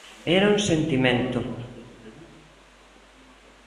Era un sentimento.